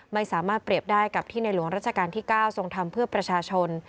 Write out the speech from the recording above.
ไม่สามารถเปรียบได้กับที่ในหลวงราชการที่๙ทรงทำเพื่อประชาชน